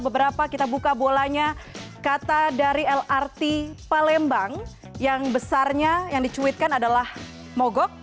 beberapa kita buka bolanya kata dari lrt palembang yang besarnya yang dicuitkan adalah mogok